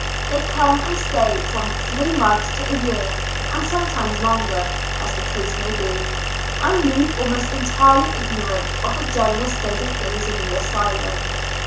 They come and stay from three months to a year, and sometimes longer, as the case may be, and leave almost entirely ignorant of the o'eneral state of thino^s in the asvlum.